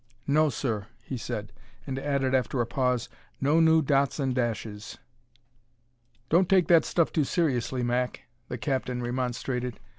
"No, sir," he said. And added after a pause: "No new dots and dashes." "Don't take that stuff too seriously, Mac," the captain remonstrated.